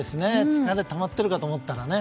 疲れがたまってると思ったらね。